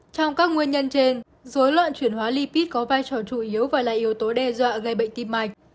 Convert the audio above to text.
trong các nguyên nhân trên dối loạn chuyển hóa lipid có vai trò chủ yếu và là yếu tố đe dọa gây bệnh tim mạch